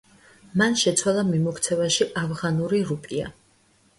მან შეცვალა მიმოქცევაში ავღანური რუპია.